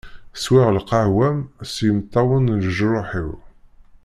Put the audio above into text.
Swiɣ lqaɛa-m s yimeṭṭawen n leǧruḥ-iw.